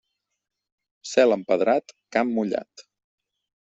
Cel empedrat, camp mullat.